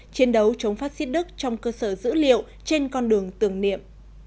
chiến đấu chống phát xít đức trong cơ sở dữ liệu trên con đường tưởng niệm